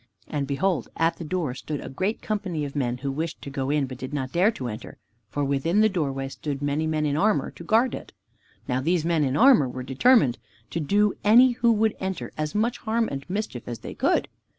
And, behold, at the door stood a great company of men, who wished to go in, but did not dare to enter, for within the doorway stood many men in armor to guard it. Now, these men in armor were determined to do any who would enter as much harm and mischief as they could.